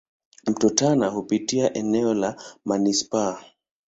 Mto Tana hupitia eneo la manispaa.